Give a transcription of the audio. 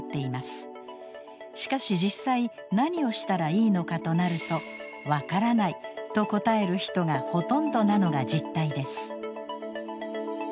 しかし実際何をしたらいいのかとなると「わからない」と答える人がほとんどなのが実態です。